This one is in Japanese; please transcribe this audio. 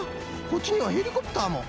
こっちにはヘリコプターも。